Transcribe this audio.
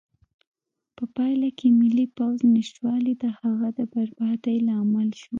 په پایله کې د ملي پوځ نشتوالی د هغه د بربادۍ لامل شو.